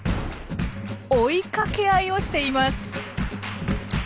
追いかけ合いをしています。